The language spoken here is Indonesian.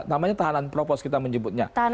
namanya tahanan propos kita menyebutnya